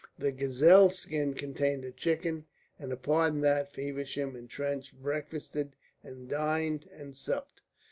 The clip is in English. The gazelle skin contained a chicken, and upon that Feversham and Trench breakfasted and dined and supped.